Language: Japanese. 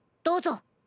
どうぞ。